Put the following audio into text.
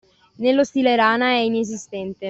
Nello stile rana è inesistente.